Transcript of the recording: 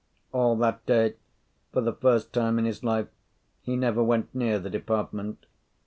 All that day, for the first time in his life, he never went near the department.